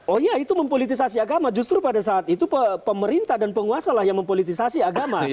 oh iya itu mempolitisasi agama justru pada saat itu pemerintah dan penguasa lah yang mempolitisasi agama